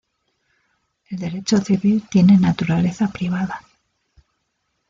El derecho civil tiene naturaleza privada.